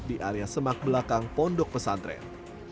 di area semak belakang pondok pesantren